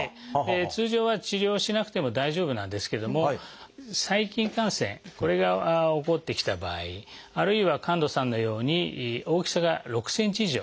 通常は治療しなくても大丈夫なんですけども細菌感染これが起こってきた場合あるいは神門さんのように大きさが６ｃｍ以上。